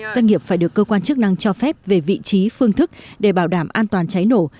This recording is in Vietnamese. doanh nghiệp phải được cơ quan chức năng cho phép về vị trí phương thức để bảo đảm an toàn cháy nổ